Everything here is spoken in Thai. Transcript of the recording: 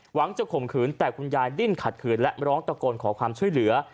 จะข่มขืนแต่คุณยายดิ้นขัดขืนและร้องตะโกนขอความช่วยเหลือ